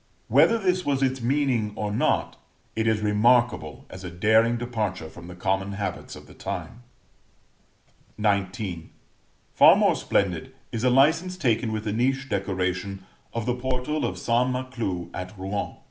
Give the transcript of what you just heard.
Whether this was its meaning or not, it is remarkable as a daring departure from the common habits of the time. XIX. Far more splendid is a license taken with the niche decoration of the portal of St. Maclou at Rouen.